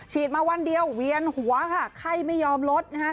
มาวันเดียวเวียนหัวค่ะไข้ไม่ยอมลด